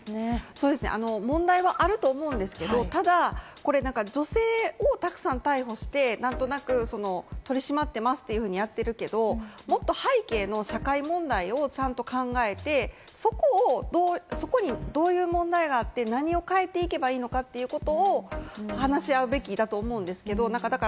そうですね、問題はあると思うんですけれども、ただ、女性をたくさん逮捕して、何となく取り締まっていますという感じでやっているけれども、もっと背景の社会問題をちゃんと考えて、そこにどういう問題があって、何を解決していけばいいのかというのも、話し合うべきだと思うんですけれども。